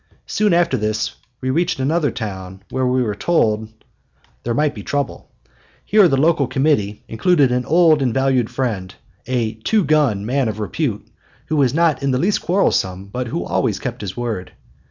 Soon after this we reached another town where we were told there might be trouble. Here the local committee included an old and valued friend, a "two gun" man of repute, who was not in the least quarrelsome, but who always kept his word.